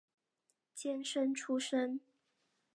监生出身。